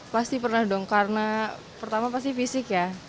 pasti pernah dong karena pertama pasti fisik ya